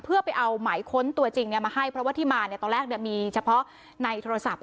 เพื่อไปเอาหมายค้นตัวจริงมาให้เพราะว่าที่มาตอนแรกมีเฉพาะในโทรศัพท์